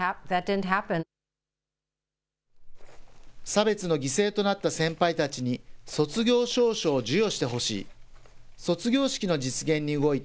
差別の犠牲となった先輩たちに卒業証書を授与してほしい。